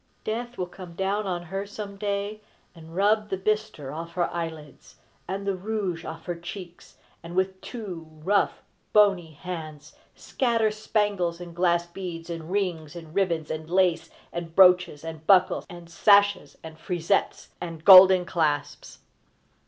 Death will come down on her some day, and rub the bistre off her eyelids, and the rouge off her cheeks, and with two rough, bony hands, scatter spangles and glass beads and rings and ribbons and lace and brooches and buckles and sashes and frisettes and golden clasps.